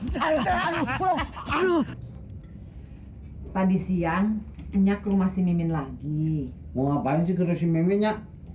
tadi siang punya kemasin mimin lagi mau ngapain sih resiminya